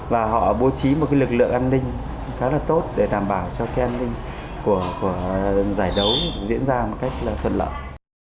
và họ bố trí một lực lượng an ninh khá là tốt để đảm bảo cho cái an ninh của giải đấu diễn ra một cách thuận lợi